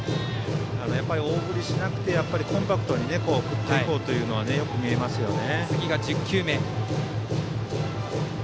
大振りしなくてコンパクトに振っていこうというのがよく見えますね。